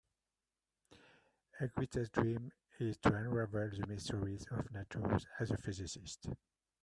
Her greatest dream is to unravel the mysteries of nature as a physicist.